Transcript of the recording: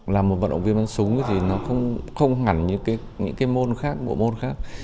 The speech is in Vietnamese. làm một vận động viên bắn súng thì không hẳn như những môn khác bộ môn khác